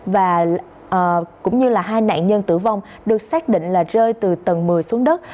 và cũng như là hai nạn nhân tử vong được xác định là rơi từ tầng một mươi xuống đất